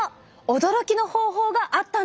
驚きの方法があったんです！